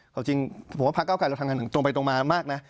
เอาจริงผมว่าพระเก้าไกรเราทำงานตรงไปตรงมามากนะ